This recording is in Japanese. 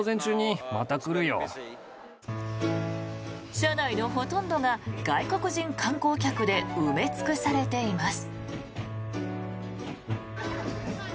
車内のほとんどが外国人観光客で埋め尽くされています。